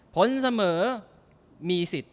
ผลเสมอมีสิทธิ์